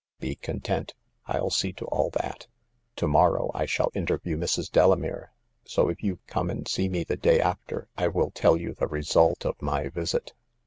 " Be content ; FU see to all that. To morrow I shall interview Mrs. Delamere ; so if you come and see me the day after, I will tell you the result of my visit."